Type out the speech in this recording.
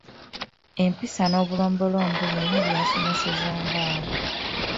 Empisa n'obulombolombo byonna baasomesezanga awo.